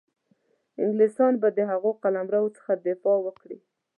انګلیسیان به د هغه قلمرو څخه دفاع وکړي.